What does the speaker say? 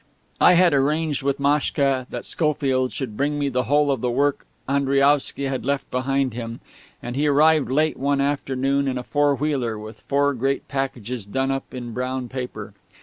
I had arranged with Maschka that Schofield should bring me the whole of the work Andriaovsky had left behind him; and he arrived late one afternoon in a fourwheeler, with four great packages done up in brown paper.